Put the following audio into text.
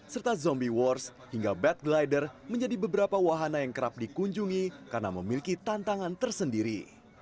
serta zombie wars hingga bad glider menjadi beberapa wahana yang kerap dikunjungi karena memiliki tantangan tersendiri